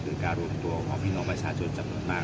การรวมตัวของพี่น้องประชาชนจำนวนมาก